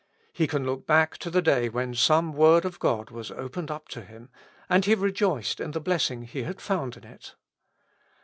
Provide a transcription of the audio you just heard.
He can look back to the day when some word of God was opened up to him, and he rejoiced in the blessing he had found in it.